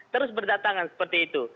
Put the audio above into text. terus berdatangan seperti itu